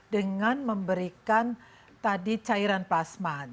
dengan memberikan tadi cairan plasma